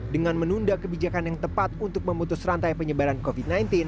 dengan menunda kebijakan yang tepat untuk memutus rantai penyebaran covid sembilan belas